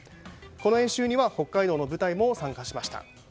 この演習には北海道の部隊も参加しました。